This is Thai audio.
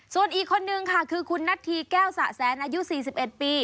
ส่วนอีกคนนึงค่ะคือคุณนัทธีแก้วสะแสนอายุ๔๑ปี